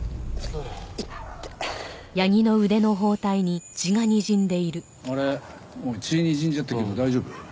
あれ血にじんじゃってるけど大丈夫？